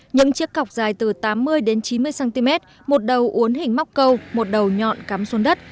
những chiếc cọc dài từ tám mươi đến chín mươi cm một đầu uốn hình móc câu một đầu nhọn cắm xuống đất